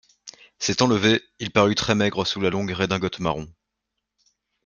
S'étant levé, il parut très maigre sous la longue redingote marron.